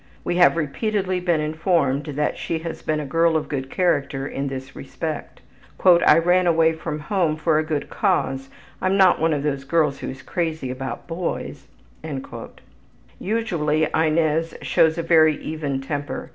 We have repeatedly been informed that she has been a girl of good character in this respect. ``I ran away from home for a good cause. I'm not one of those girls who is crazy about the boys.'' Usually Inez shows a very even temper.